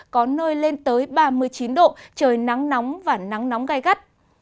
có nơi lên tới ba mươi chín độ trời nắng nóng và nắng nóng gai gắt